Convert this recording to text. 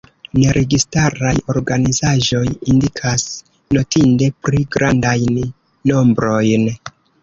Neregistaraj organizaĵoj indikas notinde pli grandajn nombrojn.